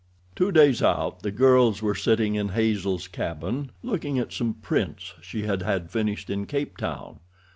Two days out the girls were sitting in Hazel's cabin, looking at some prints she had had finished in Cape Town.